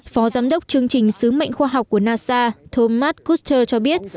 phó giám đốc chương trình sứ mệnh khoa học của nasa thomas kucher cho biết